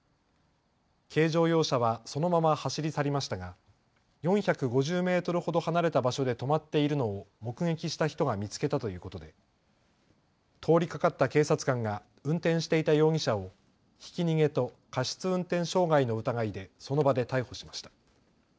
軽乗用車はそのまま走り去りましたが４５０メートルほど離れた場所で止まっているのを目撃した人が見つけたということで通りかかった警察官が運転していた容疑者をひき逃げと過失運転傷害の疑いでその場で逮捕しました。